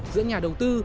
giữa nhà đầu tư